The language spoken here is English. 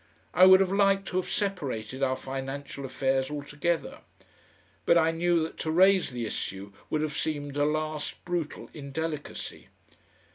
I would have liked to have separated our financial affairs altogether. But I knew that to raise the issue would have seemed a last brutal indelicacy.